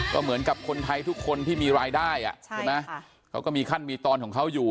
ก็เหมือนกับคนไทยทุกคนที่มีรายได้ใช่ไหมเขาก็มีขั้นมีตอนของเขาอยู่